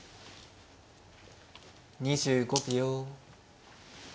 ２５秒。